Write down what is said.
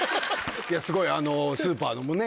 すごいスーパーでもね